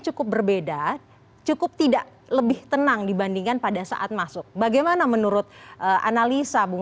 cukup berbeda cukup tidak lebih tenang dibandingkan pada saat masuk bagaimana menurut analisa bung